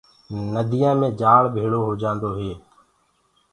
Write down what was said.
نديآ مي جآݪ ڀيݪو هوجآندو هي۔